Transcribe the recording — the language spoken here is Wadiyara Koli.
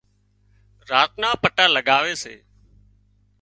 راچ نان پٽا لڳاوي سي